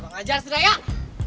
kurang ajar sih rayang